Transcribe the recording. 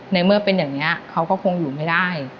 ในเมื่อเป็นอย่างนี้เขาก็คงอยู่ไม่ได้